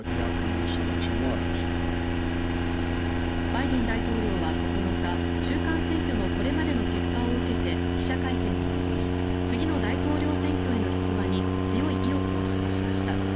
バイデン大統領は９日中間選挙のこれまでの結果を受けて記者会見に臨み次の大統領選挙への出馬に強い意欲を示しました。